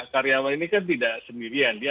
karyawan ini kan tidak sendirian